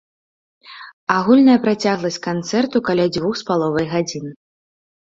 Агульная працягласць канцэрту каля дзвюх з паловай гадзін.